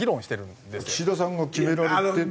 岸田さんが決められてない。